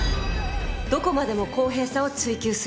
どこまでも公平さを追求する。